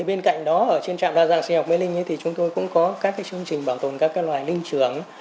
bên cạnh đó trên trạm đa dạng sinh vật mê linh chúng tôi cũng có các chương trình bảo tồn các loài linh trưởng